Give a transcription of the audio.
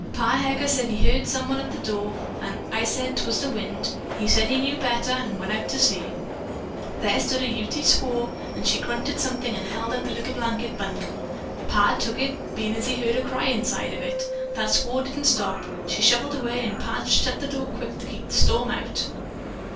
Pa Heger said he heard someone at the door, and I said 'twas the wind. He said he knew better, and he went to see. There stood a Ute squaw, and she grunted something and held out the blanket bundle. Pa took it, bein' as he heard a cry inside of it. That squaw didn't stop. She shuffled away and Pa shut the door quick to keep the storm out.